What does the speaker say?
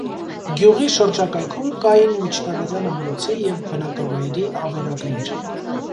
Գյուղի շրջակայքում կային միջնադարյան ամրոցի և բնակավայրի ավերակներ։